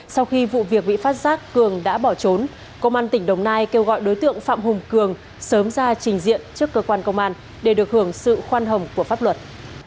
sau khi vụ việc bị phát giác cường đã bỏ trốn công an tỉnh đồng nai kêu gọi đối tượng phạm hùng cường sớm ra trình diện trước cơ quan công an để được hưởng sự khoan hồng của pháp luật